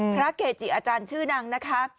เกจิอาจารย์ชื่อนางนะคะ